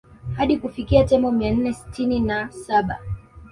Hadi kufikia Tembo mia nne sitini na saba